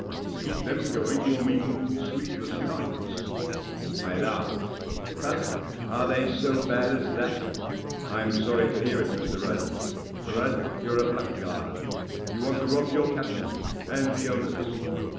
To keep them going will mean sleepless nights." I laughed. " Are they so bad as that ? I'm sorry to hear it, Mr. Rudd. Rudd, you're a blackguard. You want to rob your captain — and the owners."